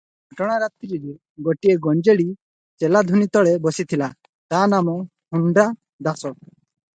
ଘଟଣା ରାତ୍ରିରେ ଗୋଟାଏ ଗଞ୍ଜୋଡ଼ି ଚେଲା ଧୂନି ତଳେ ବସିଥିଲା, ତା ନାମ ହୁଣ୍ଡା ଦାସ ।